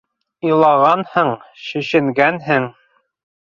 Илағанһың, шешенгәнһең...